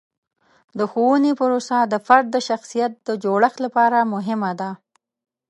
د ښوونې پروسه د فرد د شخصیت د جوړښت لپاره مهمه ده.